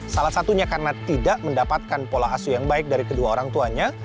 salah satunya karena tidak mendapatkan pola asu yang baik dari kedua orang tuanya